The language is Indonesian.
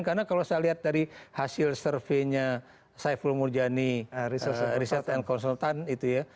karena kalau saya lihat dari hasil surveinya saiful murjani riset dan konsultan itu ya